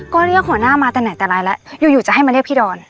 ก็เรียกหัวหน้ามาแต่ไหนแต่ไรแล้วอยู่จะให้มาเรียกพี่ดอน